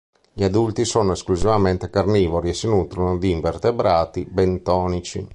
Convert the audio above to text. Gli adulti sono esclusivamente carnivori e si nutrono di invertebrati bentonici.